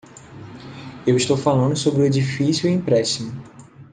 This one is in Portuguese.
Eu estou falando sobre o edifício e empréstimo.